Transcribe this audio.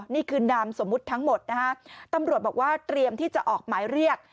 นี่คือนามสมมุติทั้งหมดนะฮะตำรวจบอกว่าเตรียมที่จะออกหมายเรียก